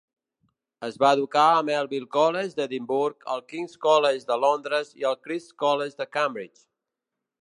Es va educar al Melville College d'Edimburg; al King's College de Londres i al Christ's College de Cambridge.